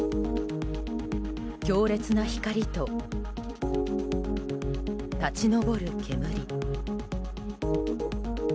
強烈な光と、立ち上る煙。